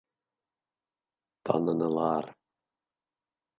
Танынылар!